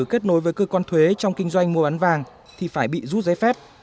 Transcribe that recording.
kết nối với cơ quan thuế trong kinh doanh mua bán vàng thì phải bị rút giấy phép